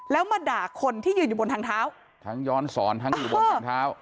แล้วมาด่าคนที่ยืนอยู่บนทางเท้าทั้งย้อนสอนทั้งอยู่บนทางเท้า